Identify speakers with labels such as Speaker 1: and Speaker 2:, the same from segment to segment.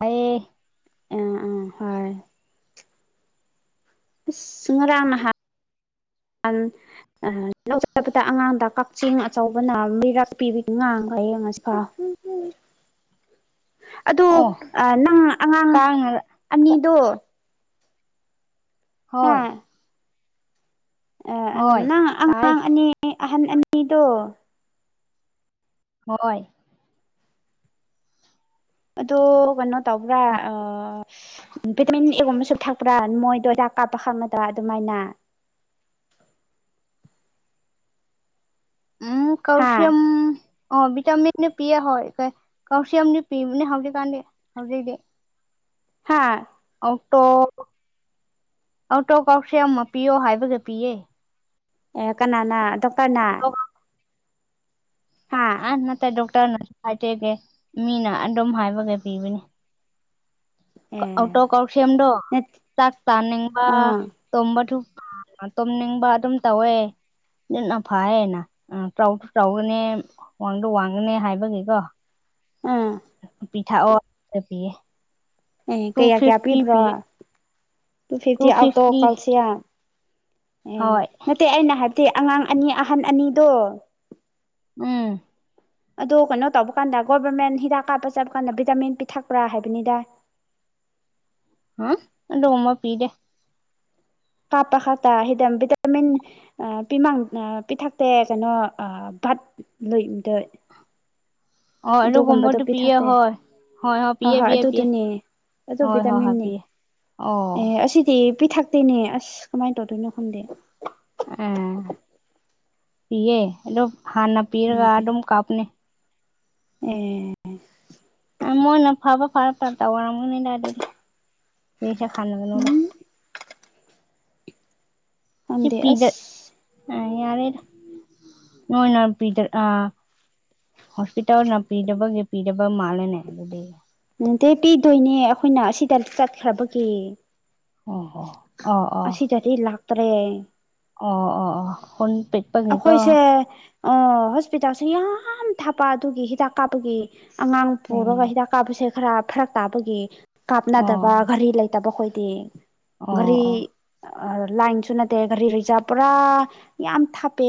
Speaker 1: ꯑꯌꯦ
Speaker 2: ꯑ ꯑꯥ ꯍꯣꯏ ꯑꯁ ꯉꯔꯥꯡ ꯅꯍꯥꯟ ꯂꯧ ꯆꯠꯄꯗ ꯑꯉꯥꯡꯗ ꯀꯛꯆꯦꯡ ꯑꯆꯧꯕꯅ ꯃꯤꯔꯛ ꯄꯤꯕꯤ ꯉꯥꯡ ꯂꯩꯌꯦ ꯉꯁꯤ ꯈꯔ ꯍꯝ ꯑꯗꯣ
Speaker 1: ꯑꯣ
Speaker 2: ꯅꯪ ꯑꯉꯥꯡ
Speaker 1: ꯀꯥꯡꯅ
Speaker 2: ꯑꯅꯤꯗꯣ
Speaker 1: ꯍꯣꯏ
Speaker 2: ꯍꯥꯥ
Speaker 1: ꯍꯣꯏ
Speaker 2: ꯅꯪ
Speaker 1: ꯇꯥꯏ
Speaker 2: ꯑꯉꯥꯡ ꯑꯅꯤ ꯑꯍꯟ ꯑꯅꯤꯗꯣ
Speaker 1: ꯍꯣꯏ
Speaker 2: ꯑꯣ ꯀꯩꯅꯣ ꯇꯧꯕ꯭ꯔꯥ ꯑ ꯚꯤꯇꯥꯃꯤꯟ ꯑꯦꯒꯨꯝꯕꯁꯨ ꯊꯛꯄ꯭ꯔꯥ ꯃꯣꯏꯗꯣ ꯆꯥꯛ ꯀꯥꯞꯄ ꯈꯪꯕꯗ ꯑꯗꯨꯃꯥꯏꯅ ꯍꯥ
Speaker 1: [unintelligible] ꯑꯣ ꯚꯇꯥꯃꯤꯟ ꯄꯤꯌꯦ ꯍꯣꯏ ꯀꯥꯎꯁꯤꯌꯝꯗꯤ ꯄꯤꯕꯅꯦ ꯍꯧꯖꯤꯛꯀꯥꯟꯗꯤ ꯍꯧꯖꯤꯛꯗꯤ
Speaker 2: ꯍꯥꯥ
Speaker 1: ꯑꯧꯇꯣ ꯑꯧꯇꯣ ꯀꯥꯎꯁꯤꯌꯝ ꯄꯤꯌꯣ ꯍꯥꯏꯕꯒꯤ ꯄꯤꯌꯦ
Speaker 2: ꯑꯦ ꯀꯅꯥꯅ ꯗꯣꯛꯇꯔꯅ ꯍꯥ
Speaker 1: ꯑ ꯅꯠꯇꯦ ꯗꯣꯛꯇꯔꯅꯁꯨ ꯍꯥꯏꯖꯦꯗꯦ ꯃꯤꯅ ꯑꯗꯨꯝ ꯍꯥꯏꯕꯒꯤ ꯄꯤꯕꯅꯤ
Speaker 2: ꯑꯦ
Speaker 1: ꯑꯧꯇꯣ ꯀꯥꯎꯁꯦꯝꯗꯣ
Speaker 2: ꯅꯠ
Speaker 1: ꯆꯥꯛ ꯆꯥꯅꯤꯡꯕ
Speaker 2: ꯑꯥ
Speaker 1: ꯇꯣꯝꯕ ꯇꯨꯝꯅꯤꯡꯕ ꯑꯗꯨꯝ ꯇꯧꯋꯦ ꯅꯤꯠꯅ ꯐꯌꯦꯅ ꯑ ꯆꯧꯁꯨ ꯆꯧꯒꯅꯦ ꯋꯥꯡꯗ ꯋꯥꯡꯒꯅꯦ ꯍꯥꯏꯕꯒꯤꯀꯣ
Speaker 2: ꯎꯝ
Speaker 1: ꯄꯤꯊꯥꯑꯣ ꯄꯤꯑ
Speaker 2: ꯑꯦ ꯀꯌꯥ ꯀꯌꯥ ꯄꯤꯕ꯭ꯔꯣ ꯇꯨ ꯐꯤꯐꯇꯤ ꯑꯥꯎꯇꯣ [unintelligible] ꯑꯦ
Speaker 1: ꯍꯣꯏ
Speaker 2: ꯅꯠꯇꯦ ꯑꯩꯅ ꯍꯥꯏꯕꯗꯤ ꯑꯉꯥꯡ ꯑꯅꯤ ꯑꯍꯟ ꯑꯅꯤꯗꯣ
Speaker 1: ꯎꯝ
Speaker 2: ꯑꯗꯣ ꯀꯩꯅꯣ ꯇꯧꯕ ꯀꯥꯟꯗ ꯒꯣꯕꯔꯃꯦꯟ ꯍꯤꯗꯥꯛ ꯀꯥꯞꯄ ꯆꯠꯄ ꯀꯥꯟꯗ ꯚꯤꯇꯥꯃꯤꯟ ꯄꯤꯊꯛꯄ꯭ꯔꯥ ꯍꯥꯏꯕꯅꯤꯗ
Speaker 1: ꯍꯝ ꯑꯗꯨꯒꯨꯝꯕ ꯄꯤꯗꯦ
Speaker 2: ꯀꯥꯞꯄ ꯈꯥꯇ ꯍꯤꯗ ꯕꯤꯇꯥꯃꯤꯟ ꯑ ꯄꯤꯃꯥꯡ ꯑ ꯄꯤꯊꯛꯇꯦ ꯀꯩꯅꯣ ꯚꯠ ꯂꯣꯏꯗ
Speaker 1: ꯍꯣꯏ
Speaker 2: ꯑꯗꯨꯒꯨꯝꯕꯗꯣ
Speaker 1: ꯑꯗꯨꯒꯨꯝꯕꯗꯨ
Speaker 2: ꯄꯤ
Speaker 1: ꯄꯤꯌꯦ
Speaker 2: ꯊꯛꯇꯦ
Speaker 1: ꯍꯣꯏ
Speaker 2: ꯍꯣꯏ
Speaker 1: ꯄꯤꯌꯦ
Speaker 2: ꯍꯣꯏ
Speaker 1: ꯄꯤꯌꯦ ꯄꯤꯌꯦ
Speaker 2: ꯑꯗꯨꯗꯨꯅꯦ ꯑꯗꯨ
Speaker 1: ꯍꯣꯏ ꯍꯣꯏ ꯍꯣꯏ
Speaker 2: ꯚꯤꯇꯥꯃꯤꯟꯅꯤ
Speaker 1: ꯄꯤꯌꯦ ꯑꯣ
Speaker 2: ꯑꯦ ꯑꯁꯤꯗꯤ ꯄꯤꯊꯛ ꯇꯦꯅꯦ ꯑꯁ ꯀꯃꯥꯏꯅ ꯇꯧꯗꯣꯏꯅꯣ ꯈꯪꯗꯦ
Speaker 1: ꯑꯦ ꯄꯤꯌꯦ ꯑꯗꯨꯝ ꯍꯥꯟꯅ ꯄꯤꯔꯒ ꯑꯗꯨꯝ ꯀꯥꯞꯄꯅꯦ
Speaker 2: ꯑꯦ [inaudible]
Speaker 1: ꯃꯣꯏꯅ ꯐꯕ ꯐꯔ ꯐ ꯇꯧꯔꯝꯒꯅꯤꯗ ꯑꯗꯨꯗꯤ ꯀꯩꯁꯨ ꯈꯟꯒꯅꯨꯗ
Speaker 2: ꯎꯝ
Speaker 1: ꯁꯤ
Speaker 2: ꯈꯪꯗꯦ ꯑꯁ
Speaker 1: ꯄꯤꯗ ꯑ ꯌꯥꯔꯦꯗ ꯅꯣꯏꯅ ꯄꯤꯗꯔ ꯑ ꯍꯣꯁꯄꯤꯇꯥꯜꯅ ꯄꯤꯗꯕꯒꯤ ꯄꯤꯗꯕ ꯃꯥꯜꯂꯦꯅꯦ ꯑꯗꯨꯗꯤ
Speaker 2: ꯅꯠꯇꯦ ꯄꯤꯗꯣꯏꯅꯦ ꯑꯈꯣꯏꯅ ꯑꯁꯤꯗ ꯆꯠꯈ꯭ꯔꯕꯒꯦ
Speaker 1: ꯑꯣ ꯍꯣ ꯑꯣ ꯑꯣ
Speaker 2: ꯑꯁꯤꯗꯗꯤ ꯂꯥꯛꯇꯔꯦ
Speaker 1: ꯑꯣ ꯑꯣ ꯑꯣ ꯍꯣꯟ ꯄꯦꯠ
Speaker 2: ꯑꯈꯣꯏꯁꯦ ꯍꯣꯁꯄꯤꯇꯥꯜꯁꯦ ꯌꯥꯝ ꯊꯥꯞꯄ ꯑꯗꯨꯒꯤ ꯍꯤꯗꯥꯛ ꯀꯥꯞꯄꯒꯤ ꯑꯉꯥꯡ ꯄꯨꯔꯒ
Speaker 1: ꯎꯝ
Speaker 2: ꯍꯤꯗꯥꯛ ꯀꯥꯞꯄꯁꯦ ꯈꯔ ꯐꯔꯛ ꯇꯥꯕꯒꯤ
Speaker 1: ꯑꯣ
Speaker 2: ꯀꯥꯞꯅꯗꯕ ꯒꯥꯔꯤ ꯂꯩ ꯇꯕ ꯈꯣꯏꯗꯤ
Speaker 1: ꯑꯣ
Speaker 2: ꯒꯥꯔꯤ
Speaker 1: ꯑꯣ
Speaker 2: ꯑ ꯂꯥꯏꯟꯁꯨ ꯅꯠꯇꯦ ꯒꯥꯔꯤ ꯔꯤꯖꯥꯞ ꯄꯨꯔꯥ ꯌꯥꯝ ꯊꯥꯞꯄꯦ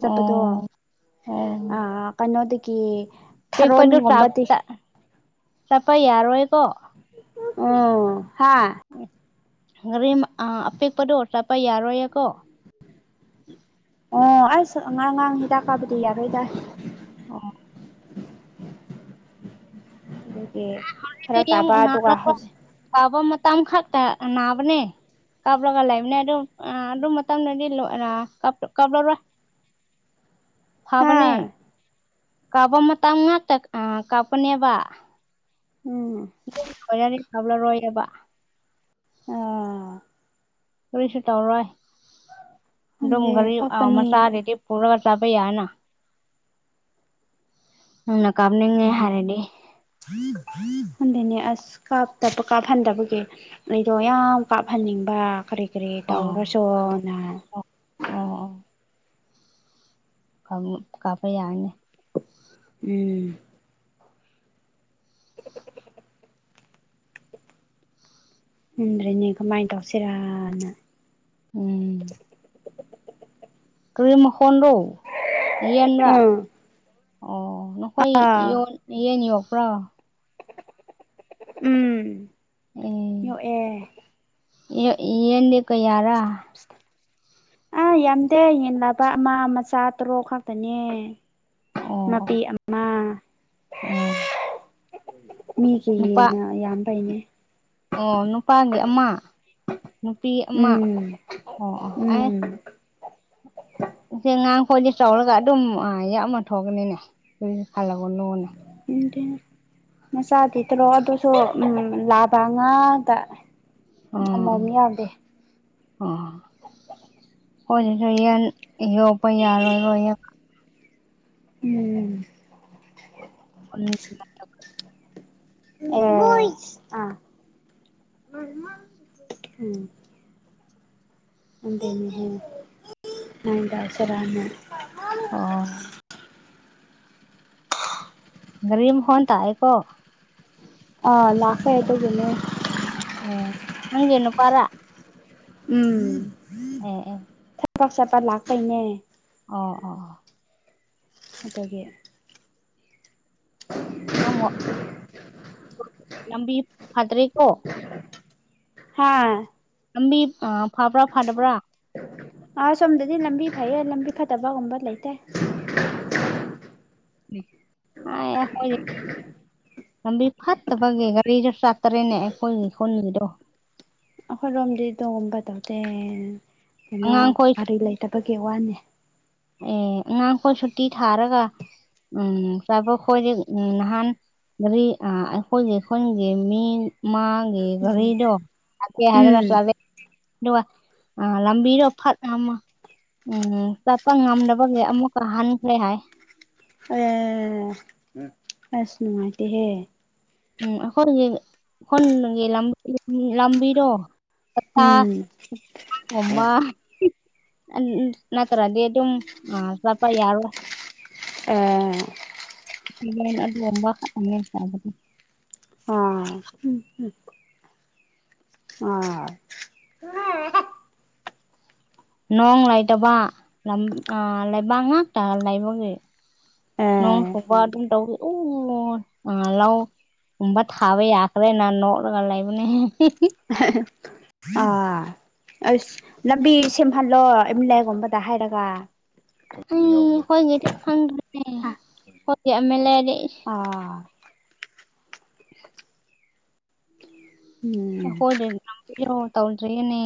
Speaker 2: ꯆꯠꯄꯗꯣ
Speaker 1: ꯑꯣ
Speaker 2: ꯑꯥ ꯀꯩꯅꯣꯗꯒꯤ
Speaker 1: ꯄꯦꯄ꯭ꯔꯗꯨ
Speaker 2: ꯊꯥꯔꯣꯟꯒꯨꯝꯕꯗꯤ
Speaker 1: ꯆꯥꯞꯇ ꯆꯞꯄ ꯌꯥꯔꯣꯏꯀꯣ
Speaker 2: ꯑꯣ ꯍꯥ
Speaker 1: ꯉꯔꯤꯝ ꯑ‌ ꯑꯄꯤꯛꯄꯗꯣ ꯆꯠꯄ ꯌꯥꯔꯣꯏꯌꯦꯀꯣ
Speaker 2: ꯑꯣ ꯑꯁ ꯑꯉꯥꯡ ꯉꯥꯡ ꯍꯤꯗꯥꯛ ꯀꯥꯞꯄꯗꯤ ꯌꯥꯔꯣꯏꯗꯥ
Speaker 1: ꯑꯣ
Speaker 2: ꯑꯗꯨꯒꯤ ꯐꯔꯛ ꯇꯥꯕ ꯑꯗꯨꯒ ꯍꯧꯖꯤꯛ
Speaker 1: ꯇꯥꯕ ꯃꯇꯝ ꯈꯛꯇ ꯅꯥꯕꯅꯦ ꯀꯞꯂꯒ ꯂꯩꯕꯅꯦ ꯑꯗꯨꯝ ꯑ‌ ꯑꯗꯨ ꯃꯇꯝꯗꯗꯤ ꯂ‌ꯣꯏ ꯔ ꯀꯞ ꯀꯞꯂꯔꯣꯏ
Speaker 2: [inaudible] ꯍꯥ
Speaker 1: ꯐꯥꯕꯅꯦ ꯀꯥꯕ ꯃꯇꯝ ꯉꯥꯛꯇ ꯑ ꯀꯥꯞꯄꯅꯦꯕ
Speaker 2: ꯎꯝ
Speaker 1: [unintelligible] ꯑꯣꯏꯔꯔꯤ ꯇꯧꯔꯔ‌ꯣꯏꯑꯦꯕ
Speaker 2: ꯑ
Speaker 1: ꯀꯔꯤꯁꯨ ꯇꯧꯔꯣꯏ ꯑꯗꯨꯝ
Speaker 2: ꯈꯪꯗꯦ
Speaker 1: ꯒꯥꯔꯤ ꯑ‌
Speaker 2: ꯀꯞꯀꯅꯤ
Speaker 1: ꯃꯆꯥꯗꯗꯤ ꯄꯨꯔꯒ ꯆꯠꯄ ꯌꯥꯏꯑꯦꯅ ꯅꯪꯅ ꯀꯥꯞꯅꯤꯡꯉꯦ ꯍꯥꯏꯔꯗꯤ
Speaker 2: ꯈꯟꯗ‌ꯦꯅꯦ ꯑꯁ ꯀꯥꯞꯇꯕ ꯀꯥꯞꯍꯟꯗꯕꯒꯤ ꯑꯩꯗꯣ ꯌꯥꯝ ꯀꯥꯞꯍꯟꯅꯤꯡꯕ ꯀꯔꯤ ꯀꯔꯤ
Speaker 1: ꯑꯣ
Speaker 2: ꯇꯧꯔꯁ‌ꯣꯅ
Speaker 1: ꯑꯣ ꯑꯣ ꯈꯪꯉꯨꯛ ꯀꯥꯞꯄ ꯌꯥꯏꯅ‌ꯦ
Speaker 2: ꯎꯝ ꯍꯨꯟꯗ꯭ꯔ‌ꯦꯅꯦ ꯀꯃꯥꯏ ꯇꯧꯁꯤꯔꯥ ꯑꯅ
Speaker 1: ꯎꯝ ꯀꯔꯤ ꯃꯈ‌ꯣꯟꯔ‌ꯣ ꯌꯦꯟꯔꯥ
Speaker 2: ꯎꯝ
Speaker 1: ꯑꯣ ꯅꯈꯣꯏ
Speaker 2: ꯑꯥ
Speaker 1: ꯌ‌ꯣꯟ ꯌꯦꯟ ꯌꯣꯛꯄ꯭ꯔꯥ
Speaker 2: ꯎꯝ
Speaker 1: ꯑꯦ
Speaker 2: ꯌꯣꯛꯑꯦ
Speaker 1: [unintelligible] ꯌꯦꯟꯗꯤ ꯀꯌꯥꯔꯥ
Speaker 2: ꯑꯥ ꯌꯥꯝꯗꯦ ꯌꯦꯟ ꯂꯥꯕ ꯑꯃ ꯃꯆꯥ ꯇꯔꯨꯛ ꯈꯛꯇꯅꯦ
Speaker 1: ꯑꯣ
Speaker 2: ꯃꯄꯤ ꯑꯃ
Speaker 1: ꯑꯣ
Speaker 2: ꯃꯤꯒꯤ
Speaker 1: ꯅꯨꯄꯥ
Speaker 2: ꯌ‌ꯦꯟꯅ ꯌꯥꯝꯕꯩꯅꯦ
Speaker 1: ꯑꯣ ꯅꯨꯄꯥꯒꯤ ꯑꯃ ꯅꯨꯄꯤ ꯑꯃ
Speaker 2: ꯎꯝ
Speaker 1: ꯑꯣ ꯑꯣ ꯑꯩ
Speaker 2: ꯎꯝ
Speaker 1: ꯉꯁꯤ ꯑꯉꯥꯡꯈꯣꯏꯗꯤ ꯆꯥꯎꯔꯒ ꯑꯗꯨꯝ ꯑ ꯌꯥꯝꯃ ꯊꯣꯛꯀꯅꯤꯅꯦ ꯀꯔꯤꯁꯨ ꯈꯜꯂꯨꯒꯅꯨꯅꯦ
Speaker 2: ꯏꯟꯗ‌ꯦ ꯃꯆꯥ ꯗꯤꯠꯇꯔꯣ ꯑꯗꯨꯁꯨ ꯎꯝ ꯂꯥꯕ ꯉꯥꯛꯇ
Speaker 1: ꯑ ꯑ
Speaker 2: ꯑꯃꯣꯝ ꯌꯥꯎꯗꯦ
Speaker 1: ꯑꯣ ꯍꯣꯏꯅ‌ꯦ ꯍꯌꯦꯟ ꯌꯣꯛꯄ ꯌꯥꯔꯔꯣꯏ
Speaker 2: ꯎꯝ
Speaker 1: ꯄꯨꯂꯞꯀꯤ
Speaker 2: [unintelligible] [unintelligible] [unintelligible]
Speaker 1: ꯑꯥ ꯒꯔꯤ ꯃꯈꯣꯟ ꯇꯥꯏꯀꯣ
Speaker 2: ꯑꯥ ꯂꯥꯛꯈ꯭ꯔꯦ ꯊꯧꯖꯤꯜꯂꯣ
Speaker 1: ꯎꯝ ꯅꯪꯒꯤ ꯅꯨꯄꯥꯂ
Speaker 2: ꯎꯝ
Speaker 1: ꯑꯦ ꯑꯦ
Speaker 2: ꯆꯕꯥꯛ [inaudible] ꯆꯠꯄꯠ ꯂꯥꯛꯈꯩꯅꯦ
Speaker 1: ꯑꯣ ꯑꯣ
Speaker 2: ꯑꯗꯨꯒꯤ
Speaker 1: ꯅꯪꯉꯣ ꯂꯝꯕꯤ ꯐꯗ꯭ꯔꯤꯀꯣ
Speaker 2: ꯍꯥꯥ
Speaker 1: ꯂꯝꯕꯤ ꯑ ꯐꯕ꯭ꯔꯥ ꯐꯗꯕ꯭ꯔꯥ
Speaker 2: ꯑ ꯁꯣꯝꯗꯗꯤ ꯂꯝꯕꯤ ꯐꯩꯌꯦ ꯂꯝꯕꯤ ꯐꯠꯇꯕꯒꯨꯝꯕ ꯂꯩꯇꯦ
Speaker 1: ꯑꯩꯌꯥ ꯃꯣꯢ ꯂꯝꯕꯤ ꯐꯠꯇꯕꯒꯤ ꯒꯥꯔꯤꯁꯨ ꯆꯥꯠꯇꯔꯦꯅꯦ ꯑꯩꯈꯣꯏꯒꯤ ꯈꯨꯟꯒꯤꯗꯣ
Speaker 2: ꯑꯩꯈꯣꯏꯔꯣꯝꯗꯤ ꯑꯗꯨꯒꯨꯝꯕ ꯇꯧꯗꯦ ꯀꯩꯅꯣ
Speaker 1: ꯑꯉꯥꯡꯈꯣꯏ
Speaker 2: ꯒꯔꯤ ꯂꯩꯇꯕꯒꯤ ꯋꯥꯅꯤ
Speaker 1: ꯑꯦ ꯑꯉꯥꯡꯈꯣꯏ ꯁꯨꯇꯤ ꯊꯥꯔꯒ ꯎꯝ ꯆꯥꯕ ꯈꯣꯏꯗꯤ ꯎꯝ ꯅꯍꯥꯟ ꯃꯔꯤ ꯑ ꯑꯩꯈꯣꯏꯒꯤ ꯈꯨꯟꯒꯤ ꯃꯤ ꯃꯥꯥꯒꯤ
Speaker 2: ꯎꯝ
Speaker 1: ꯒꯔꯤꯗꯣ ꯆꯥꯛꯀꯦ ꯍꯥꯏꯔꯒ
Speaker 2: ꯎꯝ
Speaker 1: ꯆꯠꯂꯦ ꯑꯗꯨꯒ ꯋꯥ ꯑ ꯂꯝꯕꯤꯗꯣ ꯐꯥꯠ ꯎꯝ ꯆꯠꯄ ꯉꯝꯗꯕꯒꯤ ꯑꯃꯨꯛꯀ ꯍꯟꯈ꯭ꯔꯦ ꯍꯥꯏ
Speaker 2: ꯑꯦ ꯑꯁ ꯅꯨꯡꯉꯥꯏꯇꯦꯍꯦ
Speaker 1: ꯎꯝ ꯑꯩꯈꯣꯏꯒꯤ ꯈꯨꯟꯒꯤ ꯂꯝꯕꯤꯗꯣ [inaudible]
Speaker 2: ꯎꯝ
Speaker 1: ꯅꯠꯇ꯭ꯔꯗꯤ ꯑꯗꯨꯝ ꯑ ꯆꯠꯄ ꯌꯥꯔꯣꯢ
Speaker 2: ꯑꯦ
Speaker 1: [inaudible]
Speaker 2: ꯑꯥ ꯑꯥ
Speaker 1: ꯅꯣꯡ ꯂꯩꯇꯕ ꯂꯩꯕꯥꯛ ꯉꯥꯛꯇ ꯂꯩꯕꯒꯤ ꯅꯣꯡ
Speaker 2: ꯑꯦ
Speaker 1: ꯁꯨꯕ ꯑꯗꯨ ꯇ ꯑꯣ [inaudible] ꯑ ꯂꯥꯎ ꯒꯨꯝꯕ ꯊꯥꯕꯥ ꯌꯥꯈ꯭ꯔꯦꯅꯥ ꯅꯣꯛꯔꯒ ꯂꯩꯕꯅꯦ
Speaker 2: ꯑꯥ ꯑꯁ ꯂꯝꯕꯤ ꯁꯦꯝꯍꯜꯂꯣ ꯑꯦꯝꯂꯌꯥꯒꯨꯝꯕꯗ ꯍꯥꯏꯔꯒ
Speaker 1: ꯑꯩ ꯑꯩꯈꯣꯢꯒꯤꯗꯤ ꯈꯪꯗꯦ ꯑꯩꯈꯣꯢꯒꯤ ꯑꯦꯃꯦꯂꯤꯗꯤ
Speaker 2: ꯑꯥ
Speaker 1: [unintelligible]
Speaker 2: ꯎꯝ
Speaker 1: ꯍꯣꯏꯗ [inaudible] ꯇꯧꯜꯗ꯭ꯔꯤꯅꯤ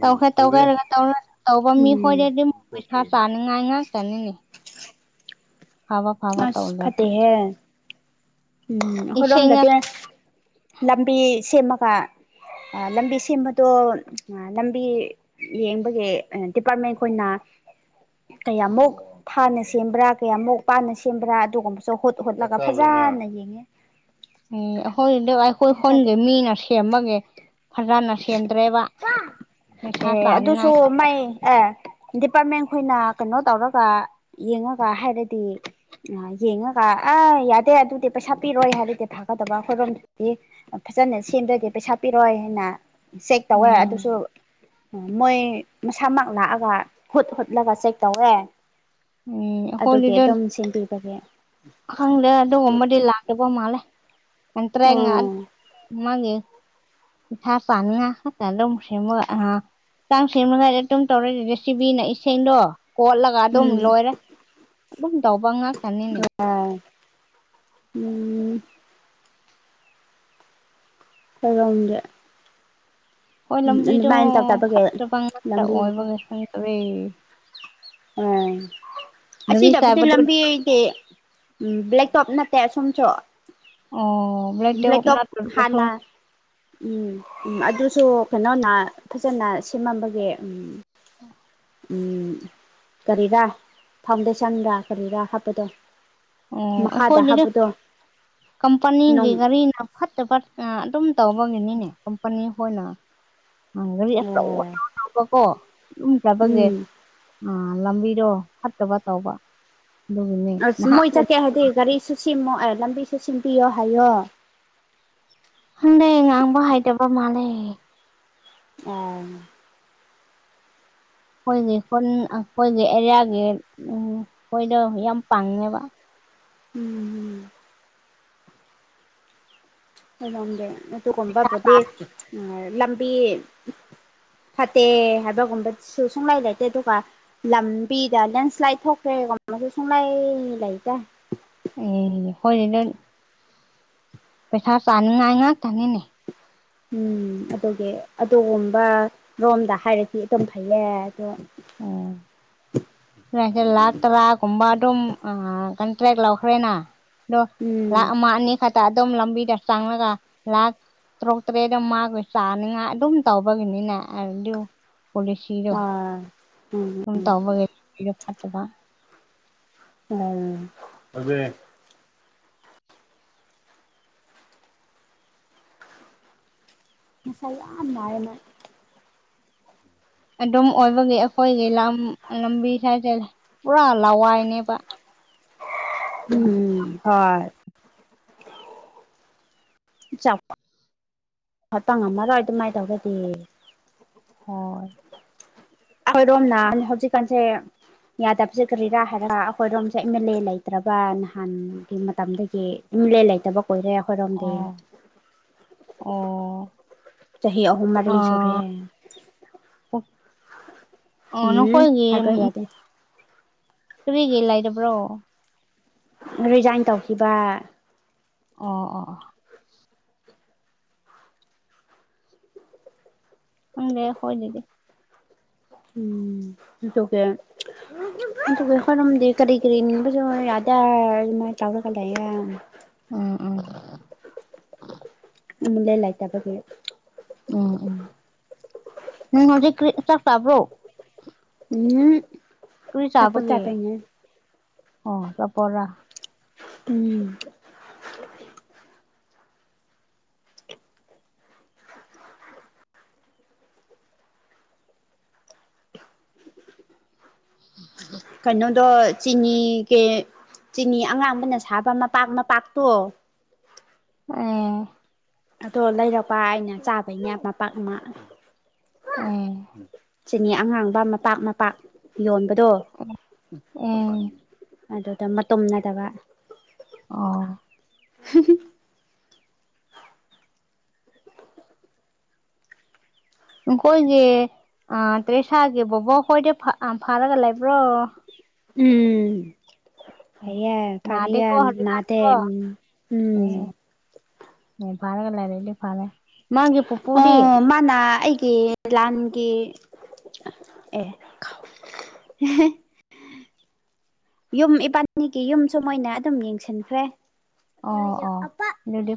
Speaker 1: ꯇꯧꯈ꯭ꯒꯦ ꯇꯧꯒꯦ ꯇꯧꯔ ꯇꯧꯕ
Speaker 2: ꯎꯝ
Speaker 1: ꯃꯤꯈꯣꯏꯗꯗꯤ ꯑꯃꯨꯛ ꯄꯩꯁꯥ ꯆꯥꯅꯤꯡꯉꯥꯏ ꯉꯥꯛꯇꯅꯤꯅꯦ ꯐꯕ ꯐꯕ
Speaker 2: ꯑꯁ
Speaker 1: ꯇꯧꯗꯕ
Speaker 2: ꯐꯠꯇꯦꯍꯦ ꯎꯝ
Speaker 1: ꯏꯁꯦꯡꯅ
Speaker 2: ꯑꯩꯈꯣꯢꯔꯣꯝꯗꯗꯤ ꯂꯝꯕꯤ ꯁꯦꯝꯃꯒ ꯑ ꯂꯝꯕꯤ ꯁꯦꯝꯕꯗꯣ ꯑ ꯂꯝꯕꯤ ꯌꯦꯡꯕꯒꯦ ꯗꯤꯄꯥꯔꯠꯃꯦꯟ ꯈꯣꯏꯅ ꯀꯌꯥꯃꯨꯛ ꯊꯥꯅ ꯁꯦꯝꯕ꯭ꯔꯥ ꯀꯌꯥꯃꯨꯛ ꯄꯥꯅ ꯁꯦꯝꯕ꯭ꯔꯥ ꯑꯗꯨꯒꯨꯝꯕꯁꯨ ꯍꯨꯠ ꯍꯨꯠꯂꯒ ꯐꯖꯅ ꯌꯦꯡꯉꯦ
Speaker 1: ꯑꯦ ꯑꯩꯈꯣꯏꯗꯣ ꯑꯩꯈꯣꯏ
Speaker 2: ꯒ꯭ꯌꯥꯟ ꯇꯥꯗꯦ
Speaker 1: ꯈꯨꯟꯒꯤ ꯃꯤꯅ ꯁꯦꯝꯕꯒꯤ ꯐꯖꯅ ꯁꯦꯝꯗ꯭ꯔꯦꯕ ꯄꯩꯁꯥ ꯆꯥꯅꯤꯉꯥꯏ
Speaker 2: ꯃꯩ ꯑꯦ ꯗꯤꯄꯥꯔꯠꯃꯦꯟ ꯈꯣꯏꯅ ꯀꯩꯅꯣ ꯇꯧꯔꯒ ꯌꯦꯡꯉꯒ ꯍꯥꯏꯔꯗꯤ ꯑ ꯌꯦꯡꯉꯒ ꯑ ꯌꯥꯗꯦ ꯑꯗꯨꯗꯤ ꯄꯩꯁꯥ ꯄꯤꯔꯣꯏ ꯍꯥꯏꯔꯗꯤ ꯐꯥꯒꯗꯕ ꯑꯩꯈꯣꯏꯔꯣꯝꯗꯗꯤ ꯐꯖꯅ ꯁꯦꯝꯗ꯭ꯔꯗꯤ ꯄꯩꯁꯥ ꯄꯤꯔꯣꯏ ꯍꯥꯏꯅ ꯆꯦꯛ ꯇꯧꯋꯦ
Speaker 1: ꯎꯝ
Speaker 2: ꯑꯗꯨꯁꯨ ꯎ ꯃꯣꯏ ꯃꯁꯥꯃꯛ ꯂꯥꯛꯑꯒ ꯍꯨꯠ ꯍꯨꯠꯂꯒ ꯆꯦꯛ ꯇꯧꯋꯦ
Speaker 1: ꯎꯝ
Speaker 2: ꯑꯗꯨꯒꯤ
Speaker 1: ꯑꯩꯈꯣꯏꯗꯨꯗ
Speaker 2: ꯑꯗꯨꯝ ꯁꯦꯜꯕꯤꯕꯒꯤ
Speaker 1: ꯈꯪꯗꯦ ꯑꯗꯨꯒꯨꯝꯕꯗꯤ ꯂꯥꯛꯇꯕ ꯃꯥꯜꯂꯦ ꯑꯟ ꯇ꯭ꯔꯦꯡꯉ
Speaker 2: ꯎꯝ
Speaker 1: ꯃꯥꯒꯦ [inaudible] ꯄꯩꯁꯥ ꯆꯥꯉꯤꯡꯉꯥꯢ ꯈꯥꯛꯇ ꯂꯧꯈꯔꯦ ꯃꯣꯢ [unintelligible] [unintelligible] [unintelligible] [unintelligible] [unintelligible] ꯀ ꯑꯗꯨꯝ
Speaker 2: ꯎꯝ
Speaker 1: ꯂꯣꯏꯔꯦ ꯑꯗꯨꯝ ꯇꯧꯕ ꯉꯥꯛꯇꯅꯤꯅꯦ
Speaker 2: ꯎꯝ ꯀꯝꯗꯦ
Speaker 1: ꯍꯣꯏ ꯂꯝꯕꯤꯗꯣ
Speaker 2: ꯇꯧꯗꯕꯒꯤ
Speaker 1: ꯐꯠꯇꯕ ꯉꯥꯛꯇ
Speaker 2: ꯂꯝꯕꯤꯗꯤ
Speaker 1: ꯑꯣꯏꯕꯒꯤ ꯈꯪꯗꯔꯦ
Speaker 2: ꯎꯝ
Speaker 1: ꯒꯥꯔꯤ
Speaker 2: ꯑꯁꯤꯗꯕꯨꯗꯤ
Speaker 1: ꯆꯥꯏꯕꯗꯨ
Speaker 2: ꯂꯝꯕꯤꯒꯤ ꯎꯝ ꯕ꯭ꯂꯦꯛꯇꯣꯞ ꯅꯠꯇꯦ ꯑꯁꯣꯝꯁꯨ
Speaker 1: ꯑꯣ ꯇꯦꯞ
Speaker 2: ꯕ꯭ꯂꯦꯛ ꯇꯣꯞ
Speaker 1: ꯅꯠꯇ꯭ꯔꯕꯁꯨ
Speaker 2: ꯍꯥꯟꯅ ꯎꯝ ꯎꯝ ꯑꯗꯨꯁꯨ ꯀꯩꯅꯣꯅ ꯐꯖꯅ ꯁꯦꯝꯃꯝꯕꯒꯦ ꯎꯝ
Speaker 1: ꯍ [inaudible]
Speaker 2: ꯎꯝ ꯀꯔꯤꯔꯥ ꯐꯥꯎꯟꯗꯦꯁꯟꯗ ꯀꯔꯤꯔꯥ ꯍꯥꯞꯄꯗꯣ
Speaker 1: ꯑꯣ
Speaker 2: ꯃꯈꯥꯗ
Speaker 1: ꯑꯩꯈꯣꯏꯗ
Speaker 2: ꯍꯥꯞꯄꯗꯣ
Speaker 1: ꯀꯝꯄꯅꯤꯒꯤ
Speaker 2: ꯅꯨꯡ
Speaker 1: ꯒꯥꯔꯤꯅ ꯐꯠꯇ ꯑꯗꯨꯝ ꯇꯧꯕꯒꯤꯅꯤꯅꯦ ꯀꯝꯄꯅꯤ ꯍꯣꯏꯅ ꯒꯥꯔꯤ ꯑꯆꯧ
Speaker 2: ꯑꯣ
Speaker 1: ꯑꯆꯧꯕ ꯀꯣ ꯑꯗꯨꯨꯝ ꯆꯥꯠꯕꯒꯤ
Speaker 2: ꯎꯝ
Speaker 1: ꯑꯥ ꯂꯝꯕꯤꯗꯣ ꯐꯠꯇꯕ ꯇꯧꯕ ꯑꯗꯨꯒꯤꯅꯦ
Speaker 2: ꯑꯁ
Speaker 1: ꯅꯍꯥꯟ
Speaker 2: ꯃꯣꯏ ꯆꯠꯀꯦ ꯍꯥꯏꯔꯗꯤ ꯒꯥꯔꯤꯁꯨ ꯁꯦꯝ ꯂꯝꯕꯤꯁꯨ ꯁꯦꯝꯕꯤꯌꯣ ꯍꯥꯏꯌꯣ
Speaker 1: ꯍꯪꯗꯦ ꯉꯥꯡꯕ ꯍꯥꯏꯇꯕ ꯃꯥꯜꯂꯦ
Speaker 2: ꯑꯣ
Speaker 1: ꯑꯩꯈꯣꯏꯒꯤ ꯈꯨꯟ ꯑꯩꯈꯣꯏꯒꯤ ꯑꯦꯔꯤꯌꯥꯒꯤ ꯈꯣꯢꯗꯣ ꯌꯥꯝ ꯄꯥꯡꯉꯦꯕ
Speaker 2: ꯎꯝ [unintelligible] ꯑꯗꯨꯒꯨꯝꯕꯗꯤ ꯑ ꯂꯥꯝꯕꯤ ꯐꯠꯇꯦ ꯍꯥꯏꯕꯒꯨꯝꯕꯁꯨ ꯁꯨꯡꯂꯩ ꯂꯩꯇꯦ ꯑꯗꯨꯒ ꯂꯝꯕꯤꯗ ꯂꯦꯟꯁ꯭ꯂꯥꯏꯠ ꯊꯣꯛꯈ꯭ꯔꯦꯒꯨꯝꯕꯁꯨ ꯁꯨꯡꯂꯩ ꯂꯩꯇꯦ
Speaker 1: ꯑꯦ [unintelligible] ꯄꯩꯁꯥ ꯆꯥꯅꯤꯡꯉꯥꯏ ꯉꯥꯛꯇꯅꯤꯅꯦ
Speaker 2: ꯎꯝ ꯑꯗꯨꯒꯤ ꯑꯗꯨꯒꯨꯝꯕ ꯔꯣꯝꯗ ꯍꯥꯏꯔꯗꯤ ꯑꯗꯨꯝ ꯐꯩꯌꯦ ꯑꯗꯨ
Speaker 1: ꯎꯝ ꯂꯥꯛ ꯇꯔꯥꯒꯨꯝꯕ ꯑꯗꯨꯝ ꯀꯟꯇ꯭ꯔꯦꯛ ꯂꯧꯈ꯭ꯔꯦꯅ ꯑꯗꯣ
Speaker 2: ꯎꯝ
Speaker 1: ꯂꯥꯛ ꯑꯃ ꯑꯅꯤ ꯈꯛꯇ ꯑꯗꯨꯝ ꯂꯝꯕꯤꯗ ꯆꯪꯉꯒ ꯂꯥꯛ ꯇꯥꯔꯨꯛ ꯇꯥꯔꯦꯠ ꯃꯥꯒꯤ ꯆꯥꯅꯤꯉꯥꯏ ꯑꯗꯨꯝ ꯇꯧꯕꯒꯤꯅꯤꯅꯦ ꯑꯗꯨ [unintelligible]
Speaker 2: ꯑꯥ ꯆꯨꯝꯃꯤ
Speaker 1: ꯑꯗꯨꯝ ꯇꯧꯕꯒꯤ ꯂꯥꯝꯕꯤꯗꯣ ꯐꯥꯠꯇꯕ
Speaker 2: ꯎꯝ [unintelligible] ꯃꯁꯥ ꯌꯥꯝ ꯅꯥꯜꯂꯦ ꯃꯥ
Speaker 1: ꯑꯗꯨꯝ ꯑꯣꯏꯕꯒꯤ ꯑꯩꯈꯣꯏꯒꯤ ꯂꯝ ꯂꯝꯕꯤ ꯍꯥꯏꯁꯦ ꯄꯨꯔꯥ ꯂꯋꯥꯏꯅꯦꯕ
Speaker 2: ꯎꯝ ꯍꯣꯏ ꯆꯥꯎ ꯈꯥꯇꯪ ꯉꯝꯃꯔꯣꯢ ꯑꯗꯨꯃꯥꯏ ꯇꯧꯔꯗꯤ
Speaker 1: ꯍꯣꯏ
Speaker 2: ꯑꯩꯈꯣꯏꯔꯣꯝꯅ ꯍꯧꯖꯤꯛꯀꯥꯟꯁꯦ ꯌꯥꯗꯕꯁꯦ ꯀꯔꯤꯔꯥ ꯍꯥꯏꯔ ꯑꯩꯈꯣꯏꯔꯣꯝꯁꯦ ꯑꯦꯝ ꯑꯦꯜ ꯑꯦ ꯂꯩꯇ꯭ꯔꯕ ꯅꯍꯥꯟꯒꯤ ꯃꯇꯝꯗꯒꯤ ꯑꯦꯝ ꯑꯦ ꯂꯦ ꯂꯩꯇꯕ ꯀꯣꯏꯔꯦ ꯑꯩꯈꯣꯏꯔꯣꯝꯗꯤ
Speaker 1: ꯑꯣ ꯑꯣ
Speaker 2: ꯆꯍꯤ ꯑꯍꯨꯝ ꯃꯔꯤ ꯁꯨꯔꯦ
Speaker 1: ꯑꯥ ꯑꯣ
Speaker 2: ꯎꯝ
Speaker 1: ꯅꯈꯣꯏꯒꯤ
Speaker 2: ꯍꯥꯏꯕ ꯌꯥꯗꯦ
Speaker 1: ꯀꯔꯤꯒꯤ ꯂꯩꯇꯕ꯭ꯔꯣ
Speaker 2: ꯔꯤꯖꯥꯏꯟ ꯇꯧꯈꯤꯕ
Speaker 1: ꯑꯣ ꯑꯣ ꯈꯪꯗꯦ ꯑꯥꯈꯣꯏꯗꯗꯤ
Speaker 2: ꯎꯝ ꯑꯗꯨꯒꯥ ꯑꯗꯨꯒꯕꯨ ꯈꯣꯏꯔꯝꯗꯤ ꯀꯔꯤ ꯀꯔꯤ ꯅꯤꯡꯕꯁꯨ ꯌꯥꯗ ꯑꯗꯨꯃꯥꯏꯅ ꯇꯧꯔꯒ ꯂꯩꯌꯦ
Speaker 1: ꯎꯝ ꯎꯝ
Speaker 2: ꯏꯃꯨꯡꯗ ꯂꯩꯇꯕꯒꯤ
Speaker 1: ꯎꯝ ꯎꯝ ꯅꯪ ꯍꯧꯖꯤꯛ ꯀ꯭ꯔꯤ ꯆꯥꯛ ꯆꯥꯕ꯭ꯔꯣ
Speaker 2: ꯎꯨꯝ
Speaker 1: ꯀ꯭ꯔꯤ ꯆꯥꯕꯒꯤ ꯑꯣ ꯑꯆꯥꯄꯣꯠꯔꯥ
Speaker 2: ꯎꯝ ꯀꯩꯅꯣ ꯑꯗꯣ ꯆꯤꯅꯤ ꯀꯩ ꯆꯤꯅꯤ ꯑꯉꯥꯡꯕꯅ ꯁꯥꯕ ꯃꯄꯥꯛ ꯃꯄꯥꯛꯇꯣ
Speaker 1: ꯑꯝ
Speaker 2: ꯑꯗꯣ ꯂꯩꯔꯛꯄ ꯑꯩꯅ ꯆꯥꯕꯩꯅꯦ ꯃꯄꯥꯛ ꯑꯃ
Speaker 1: ꯑꯦ
Speaker 2: ꯆꯤꯅꯤ ꯑꯉꯥꯡꯕ ꯃꯄꯥꯛ ꯃꯄꯥꯛ ꯌꯣꯟꯕꯗꯣ
Speaker 1: ꯑꯦ
Speaker 2: ꯑꯗꯨꯗ ꯃꯇꯨꯝ ꯅꯠꯇꯕ
Speaker 1: ꯑꯣ
Speaker 2: ꯍꯨꯝ ꯍꯨꯝ
Speaker 1: ꯑꯩꯈꯣꯏꯒꯤ ꯇ꯭ꯔꯦꯁꯥꯒꯤ ꯕꯣꯕꯣꯛ ꯈꯣꯏꯗꯤ ꯐꯥꯔꯒ ꯑꯥ ꯂꯩꯕ꯭ꯔꯣ
Speaker 2: ꯎꯝ
Speaker 1: ꯑꯦ
Speaker 2: ꯐꯩꯌꯦ ꯐꯔꯤꯌꯦ
Speaker 1: ꯅꯥꯗꯦꯀꯣ
Speaker 2: ꯃꯥꯗꯤ
Speaker 1: ꯍꯧꯖꯤꯛꯀꯥꯟꯗꯤꯀꯣ
Speaker 2: ꯎꯝ ꯎꯝ
Speaker 1: ꯌꯦ ꯐꯥꯔꯒ ꯂꯩꯔꯗꯤ ꯐꯔꯦ ꯃꯥꯒꯤ ꯄꯨꯄꯨꯗꯤ
Speaker 2: ꯑꯣ ꯃꯥꯅ ꯑꯩꯒꯤ ꯂꯥꯟꯒꯤ ꯑꯦ ꯌꯨꯝ ꯏꯄꯥꯜꯅꯤꯒꯤ ꯌꯨꯝꯁꯨ ꯃꯣꯏꯅ ꯑꯗꯨꯝ ꯌꯦꯡꯁꯤꯟꯈ꯭ꯔꯦ
Speaker 1: ꯑꯣ ꯑꯣ ꯑꯗꯨꯗꯤ